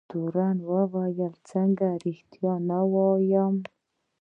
تورن وویل څنګه رښتیا نه وایم.